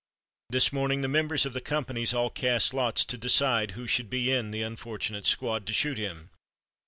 This morning the members of the companies all cast lots to decide who should be in the unfortunate squad to shoot him.